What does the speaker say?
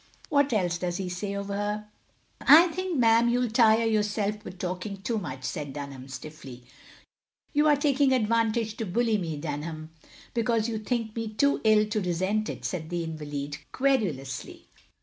What else does he say of her? "" I think, ma'am, you '11 tire yourself with talking so much, " said Dunham, stiffly. "You are taking advantage to bully me, Dunham, because you think me too ill to resent it," said the invalid, querulously.